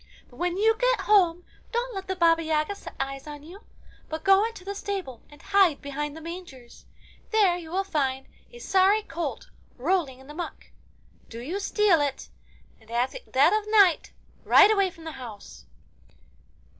But when you get home, don't let the Baba Yaga set eyes on you, but go into the stable and hide behind the mangers. There you will find a sorry colt rolling in the muck. Do you steal it, and at the dead of night ride away from the house.